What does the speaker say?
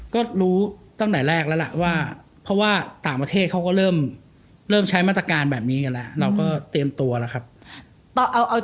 ก็รู้ตั้งแต่แรกแล้วเพราะว่าต่างประเทศเริ่มใช้มัตการณ์แบบนี้ก็เริ่มต้องการให้เริ่มตัว